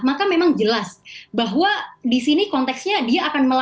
maka memang jelas bahwa di sini konteksnya dia akan melakukan